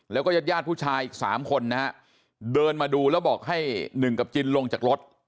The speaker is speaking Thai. แล้วก็ญาติญาติผู้ชายอีก๓คนนะฮะเดินมาดูแล้วบอกให้หนึ่งกับจินลงจากรถ